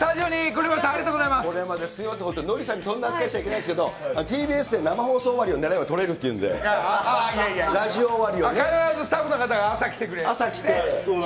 これまで、ノリさんにそんなことしちゃいけないですけど、ＴＢＳで生放送終わりを狙えばとれるっていうんで、ラジオ終わり必ずスタッフの方が朝来てくれて。